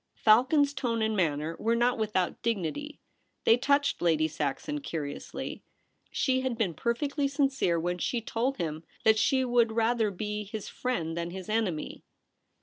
Falcon's tone and manner were not without dignity. They touched Lady Saxon curi ously. She had been perfectly sincere when she told him that she Vv'ould rather be his friend than his enemy.